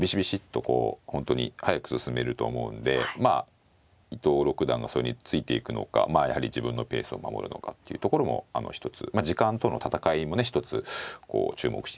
こう本当に速く進めると思うんでまあ伊藤六段がそれについていくのかまあやはり自分のペースを守るのかっていうところも一つまあ時間との闘いもね一つこう注目していただければなと思いますね。